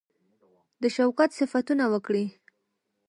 د شوکت صفتونه وکړي.